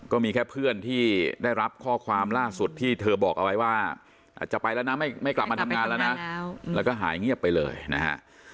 ก็มีแค่เพื่อนที่ได้รับข้อความล่าสุดที่เธอบอกเอาไว้ว่าอาจจะไปแล้วนะไม่กลับมาทำงานแล้วนะแล้วก็หายเงียบไปเลยนะฮะ